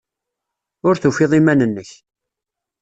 Ur tufiḍ iman-nnek.